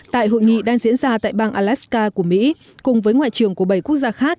tại hội nghị đang diễn ra tại bang alaska của mỹ cùng với ngoại trưởng của bảy quốc gia khác